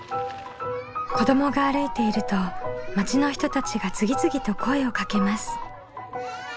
子どもが歩いていると町の人たちが次々と声をかけます。